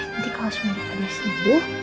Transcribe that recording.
nanti kalau semuanya pada sembuh